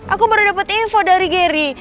aku baru dapet info dari geri